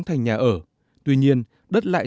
thành nhà ở tuy nhiên đất lại